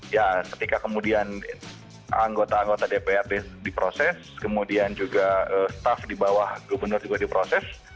ya ketika kemudian anggota anggota dprd diproses kemudian juga staff di bawah gubernur juga diproses